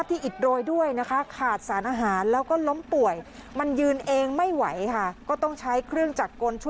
มีอายุแล้วแหละนะคะ